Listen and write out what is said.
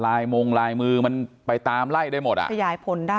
ลายมงลายมือมันไปตามไล่หมดอ่ะ